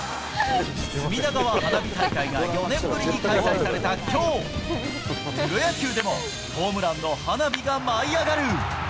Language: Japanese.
隅田川花火大会が４年ぶりに開催されたきょう、プロ野球でもホームランの花火が舞い上がる。